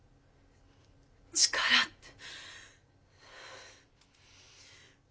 力って。